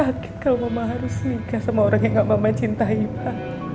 dan sakit kalau mama harus nikah sama orang yang gak mama cintai pa